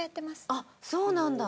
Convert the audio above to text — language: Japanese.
あっそうなんだ。